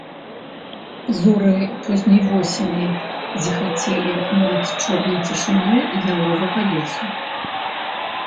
Зоры позняй восені зіхацелі над чорнай цішынёй яловага лесу.